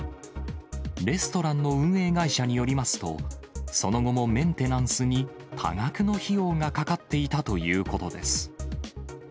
レストランの運営会社によりますと、その後もメンテナンスに多額の費用がかかっていたということです。